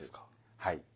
はい。